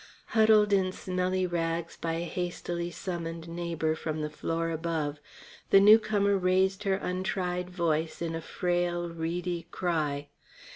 Huddled in smelly rags by a hastily summoned neighbour from the floor above, the newcomer raised her untried voice in a frail, reedy cry.